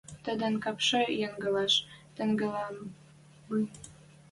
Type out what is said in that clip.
Тӹдӹн кӓпшӹ янгылаш тӹнгӓлӹн —